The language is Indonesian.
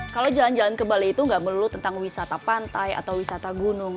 kalau jalan jalan ke bali itu nggak melulu tentang wisata pantai atau wisata gunung